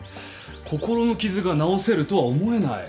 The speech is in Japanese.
心の傷が治せるとは思えない。